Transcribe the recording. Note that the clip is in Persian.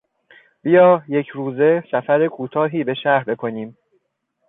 بیا یکروزه سفر کوتاهی به شهر بکنیم.